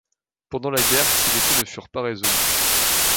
Pendant la guerre, ces défauts ne furent pas résolus.